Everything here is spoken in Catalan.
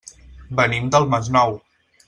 Venim del Masnou.